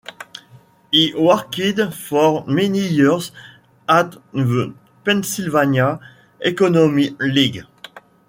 He worked for many years at the Pennsylvania Economy League.